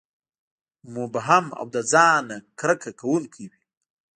مبهم او له ځان نه کرکه کوونکي وي.